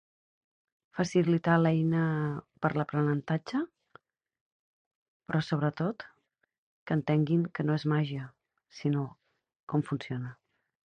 Facilitar l'eina per l'aprenentatge, però, sobretot, que entenguin que no és màgia, sinó com funciona.